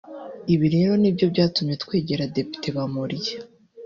Ibi rero nibyo byatumye twegera Depite Bamporiki